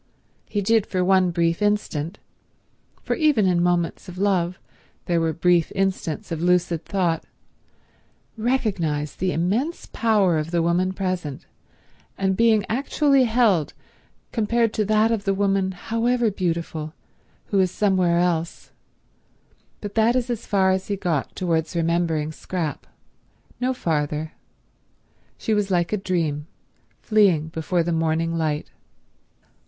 He did for one brief instant, for even in moments of love there were brief instants of lucid thought, recognize the immense power of the woman present and being actually held compared to that of the woman, however beautiful, who is somewhere else, but that is as far as he got towards remembering Scrap; no farther. She was like a dream, fleeing before the morning light.